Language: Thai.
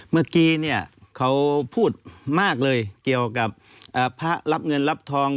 เมื่อกี้เนี่ยเขาพูดมากเลยเกี่ยวกับพระรับเงินรับทอง